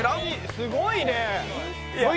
すごいね！